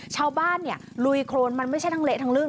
ชาวบ้านเนี่ยลุยโครนมันไม่ใช่ทั้งเละทั้งลื่น